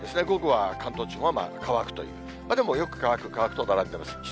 午後は関東地方は乾くという、でもよく乾く、乾くと並んでます。